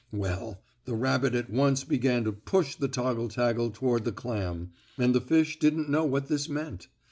Well, the rabbit at once began to push the toggle taggle toward the clam, and the fish didn't know what this meant.